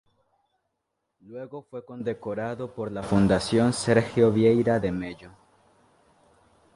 Luego fue condecorado por la Fundación Sergio Vieira de Mello.